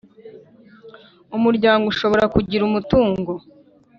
Umuryango ushobora kugira umutungo